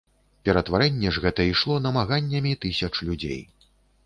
Ператварэнне ж гэта ішло намаганнямі тысяч людзей.